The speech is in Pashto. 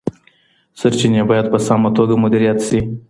سرچینې باید په سمه توګه مدیریت سي.